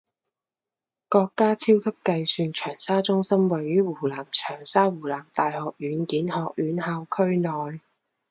国家超级计算长沙中心位于湖南长沙湖南大学软件学院校区内。